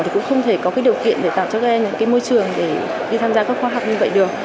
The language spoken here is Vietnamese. cũng không thể có điều kiện để tạo cho các em một môi trường để đi tham gia các khoa học như vậy được